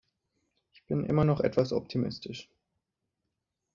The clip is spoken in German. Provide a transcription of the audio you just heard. Ich bin immer noch etwas optimistisch.